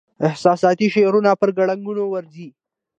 احساساتي شعارونه پر ګړنګونو ورځي.